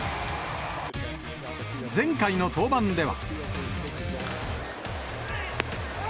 前回の登板では。